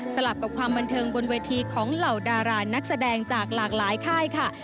กับความบันเทิงบนเวทีของเหล่าดารานักแสดงจากหลากหลายค่ายค่ะ